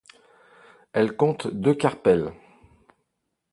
Elles comptent deux carpelles.